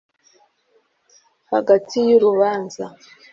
hagati y'urubanza